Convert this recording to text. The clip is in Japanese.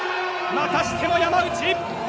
またしても山内！